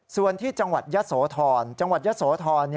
ส่วนที่จังหวัดยะโสธรจังหวัดยะโสธร